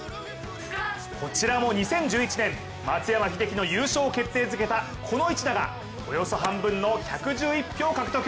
こちらも２０１１年、松山英樹の優勝を決定づけたこの一打がおよそ半分の１１１票を獲得。